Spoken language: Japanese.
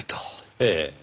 ええ。